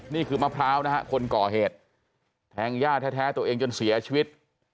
นี่คือมะพร้าวนะฮะคนก่อเหตุแทงย่าแท้ตัวเองจนเสียชีวิต